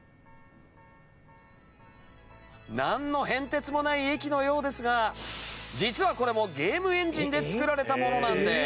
なんの変哲もない駅のようですが実はこれもゲームエンジンで作られたものなんです。